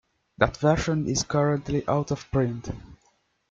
That version is currently out of print.